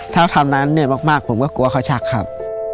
ถ้าทำนั้นเหนื่อยมากผมก็กลัวเขาชักครับ